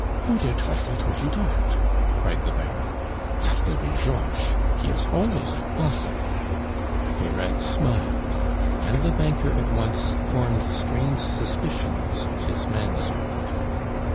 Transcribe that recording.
"Who der teufel tolt you dat?" cried the Baron. "Dat vill be Georche; he is always a gossip." Peyrade smiled, and the banker at once formed strange suspicions of his man servant.